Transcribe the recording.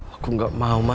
aku gak mau ma